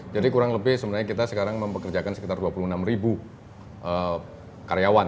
jadi kurang lebih sebenarnya kita sekarang mempekerjakan sekitar dua puluh enam karyawan